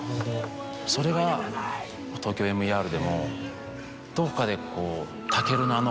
それは『ＴＯＫＹＯＭＥＲ』でもどこかで。